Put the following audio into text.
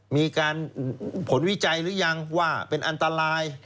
มีการผลวิจัยหรือยังว่าเป็นอันตราย